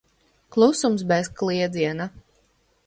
Klusums bez kliedziena.